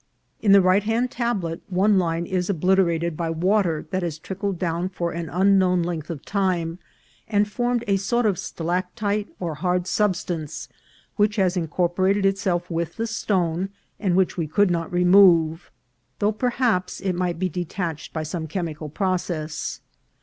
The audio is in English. In the right hand tablet one line is obliterated by water that has trickled down for an unknown length of time, and formed a sort of stalactite or hard substance, which has incorporated itself with the stone, and which we could not remove, though perhaps it might be de tached by some chemical process.